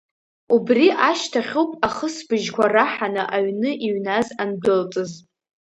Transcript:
Убри ашьҭахьоуп ахысбыжьқәа раҳаны аҩны иҩназ андәылҵыз.